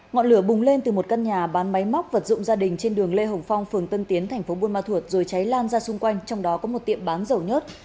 ngọn lửa bùng lên từ một căn nhà bán máy móc vật dụng gia đình trên đường lê hồng phong phường tân tiến tp buôn ma thuột rồi cháy lan ra xung quanh trong đó có một tiệm bán dầu nhớt